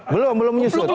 belum belum menyusut